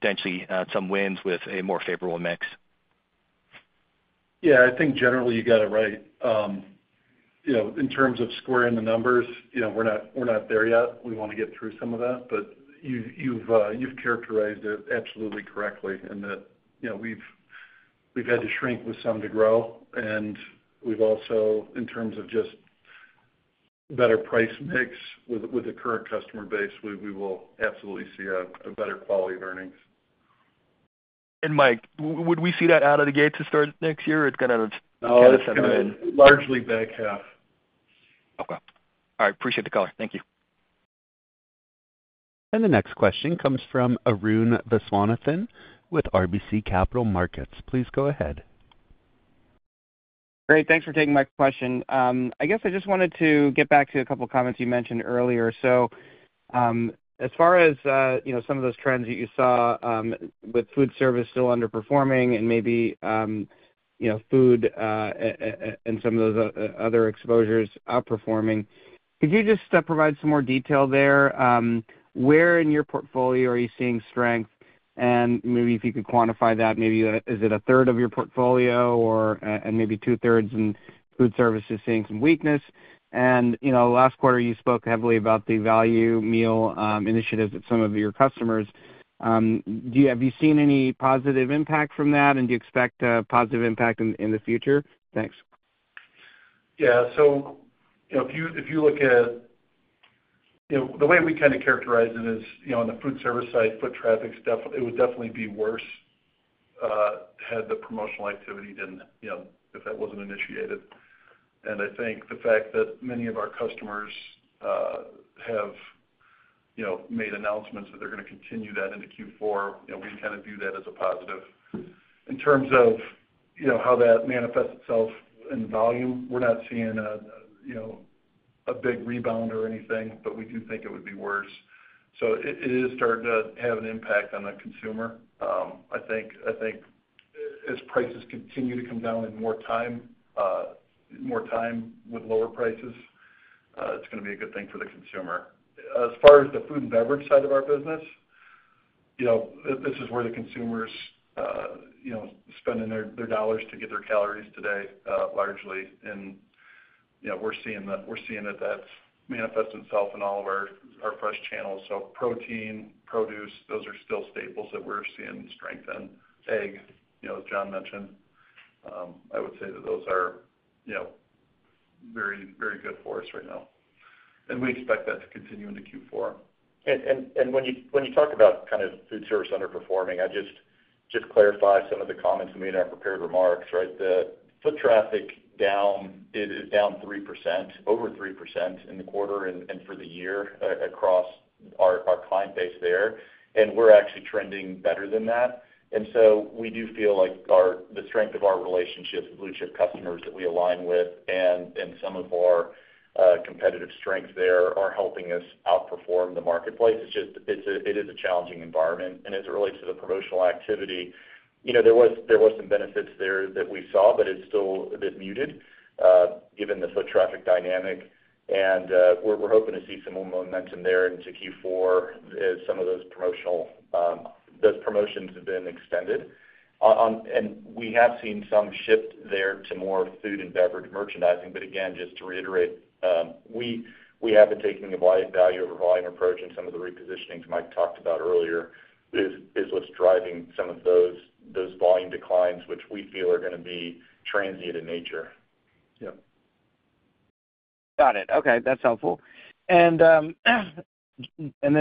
potentially some wins with a more favorable mix? Yeah. I think generally you got it right. In terms of squaring the numbers, we're not there yet. We want to get through some of that. But you've characterized it absolutely correctly in that we've had to shrink with some to grow. And we've also, in terms of just better price mix with the current customer base, we will absolutely see a better quality of earnings. And Mike, would we see that out of the gate to start next year or it's going to get us in the middle? Largely back half. Okay. All right. Appreciate the color. Thank you. And the next question comes from Arun Viswanathan with RBC Capital Markets. Please go ahead. Great. Thanks for taking my question. I guess I just wanted to get back to a couple of comments you mentioned earlier. So as far as some of those trends that you saw with Food Service still underperforming and maybe food and some of those other exposures outperforming, could you just provide some more detail there? Where in your portfolio are you seeing strength? And maybe if you could quantify that, maybe is it a 1/3 of your portfolio and maybe 2/3 in Food Service is seeing some weakness? And last quarter, you spoke heavily about the value meal initiatives at some of your customers. Have you seen any positive impact from that? And do you expect a positive impact in the future? Thanks. Yeah. So if you look at the way we kind of characterize it is on the Food Service side, foot traffic, it would definitely be worse had the promotional activity if that wasn't initiated, and I think the fact that many of our customers have made announcements that they're going to continue that into Q4, we kind of view that as a positive. In terms of how that manifests itself in volume, we're not seeing a big rebound or anything, but we do think it would be worse, so it is starting to have an impact on the consumer. I think as prices continue to come down in more time with lower prices, it's going to be a good thing for the consumer. As far as the Food and Beverage side of our business, this is where the consumers spend their dollars to get their calories today largely. And we're seeing that that's manifesting itself in all of our fresh channels. So protein, produce, those are still staples that we're seeing strengthen. Egg, as Jon mentioned, I would say that those are very, very good for us right now. And we expect that to continue into Q4. And when you talk about kind of Food Service underperforming, I just clarify some of the comments and we had our prepared remarks, right? The foot traffic is down 3%, over 3% in the quarter and for the year across our client base there. And we're actually trending better than that. And so we do feel like the strength of our relationship with blue-chip customers that we align with and some of our competitive strength there are helping us outperform the marketplace. It is a challenging environment. And as it relates to the promotional activity, there were some benefits there that we saw, but it's still a bit muted given the foot traffic dynamic. We're hoping to see some more momentum there into Q4 as some of those promotions have been extended. We have seen some shift there to more Food and Beverage Merchandising. But again, just to reiterate, we have been taking a value-over-volume approach, and some of the repositioning Mike talked about earlier is what's driving some of those volume declines, which we feel are going to be transient in nature. Yeah. Got it. Okay. That's helpful. Then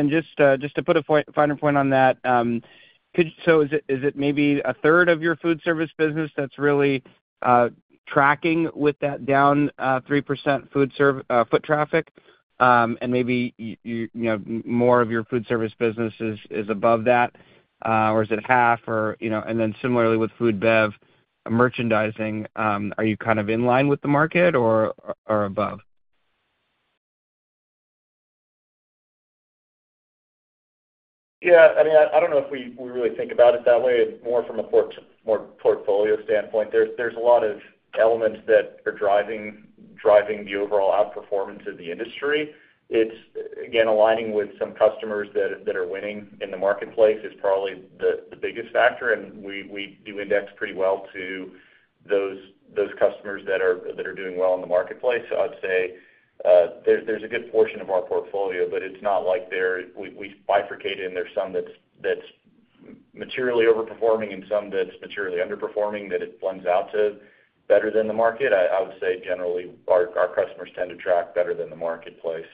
just to put a finer point on that, so is it maybe a 1/3 of your Food Service business that's really tracking with that down 3% foot traffic? And maybe more of your Food Service business is above that, or is it half? And then similarly with Food Bev Merchandising, are you kind of in line with the market or above? Yeah. I mean, I don't know if we really think about it that way. It's more from a portfolio standpoint. There's a lot of elements that are driving the overall outperformance of the industry. It's, again, aligning with some customers that are winning in the marketplace is probably the biggest factor. And we do index pretty well to those customers that are doing well in the marketplace. So I'd say there's a good portion of our portfolio, but it's not like we bifurcate in. There's some that's materially overperforming and some that's materially underperforming that it blends out to better than the market. I would say generally our customers tend to track better than the marketplace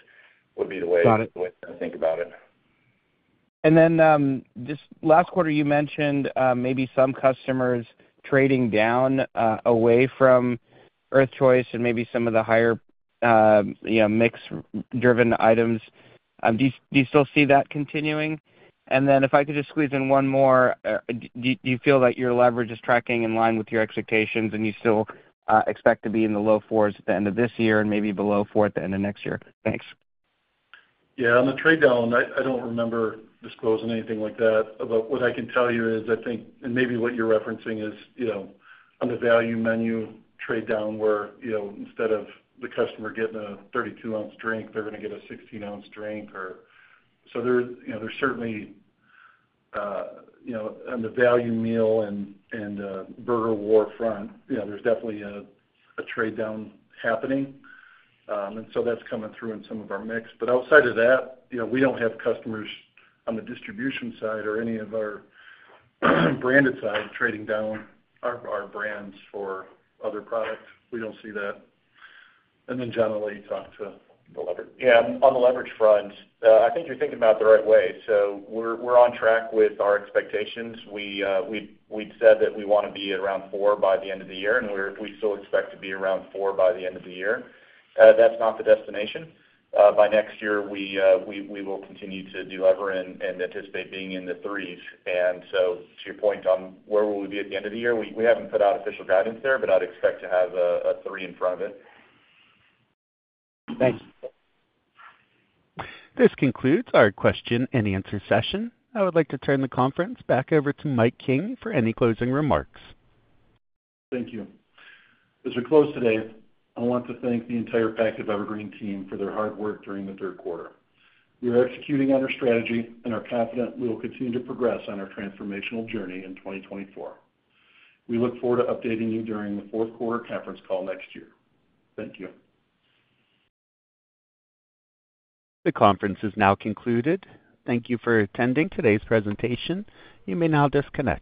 would be the way to think about it. And then just last quarter, you mentioned maybe some customers trading down away from EarthChoice and maybe some of the higher mix-driven items. Do you still see that continuing? And then if I could just squeeze in one more, do you feel like your leverage is tracking in line with your expectations, and you still expect to be in the low fours at the end of this year and maybe below four at the end of next year? Thanks. Yeah. On the trade down, I don't remember disclosing anything like that. But what I can tell you is, I think, and maybe what you're referencing is on the value menu trade down where instead of the customer getting a 32-ounce drink, they're going to get a 16-ounce drink. So there's certainly, on the value meal and burger war front, there's definitely a trade down happening. And so that's coming through in some of our mix. But outside of that, we don't have customers on the distribution side or any of our branded side trading down our brands for other products. We don't see that. And then generally talk to the leverage. Yeah. On the leverage front, I think you're thinking about the right way. So we're on track with our expectations. We'd said that we want to be around four by the end of the year, and we still expect to be around four by the end of the year. That's not the destination. By next year, we will continue to deliver and anticipate being in the threes. And so to your point on where will we be at the end of the year, we haven't put out official guidance there, but I'd expect to have a three in front of it. Thanks. This concludes our question and answer session. I would like to turn the conference back over to Mike King for any closing remarks. Thank you. As we close today, I want to thank the entire Pactiv Evergreen team for their hard work during the Q3. We are executing on our strategy and are confident we will continue to progress on our transformational journey in 2024. We look forward to updating you during the Q4 conference call next year. Thank you. The conference is now concluded. Thank you for attending today's presentation. You may now disconnect.